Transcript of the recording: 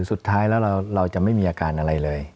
สุดท้ายแล้วเราจะไม่มีอาการอะไรเลย